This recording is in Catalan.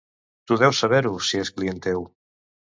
Tu deus saber-ho, si és client teu.